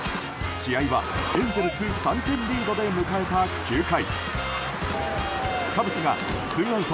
試合は、エンゼルス３点リードで迎えた９回。